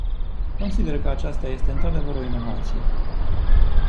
Consider că aceasta este într-adevăr o inovație.